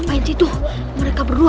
ngapain sih itu mereka berdua